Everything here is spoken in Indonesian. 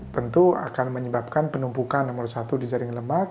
tentu akan menyebabkan penumpukan nomor satu di jaring lemak